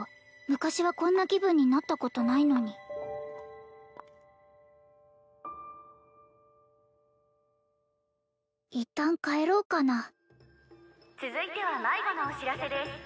昔はこんな気分になったことないのに一旦帰ろうかな続いては迷子のお知らせです